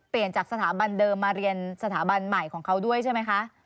จากสถาบันเดิมมาเรียนสถาบันใหม่ของเขาด้วยใช่ไหมคะ